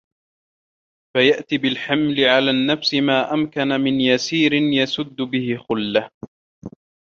فَيَأْتِي بِالْحِمْلِ عَلَى النَّفْسِ مَا أَمْكَنَ مِنْ يَسِيرٍ يَسُدُّ بِهِ خَلَّةً